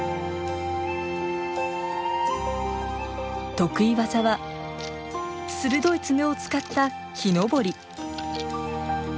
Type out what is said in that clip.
得意技は鋭い爪を使った木登り。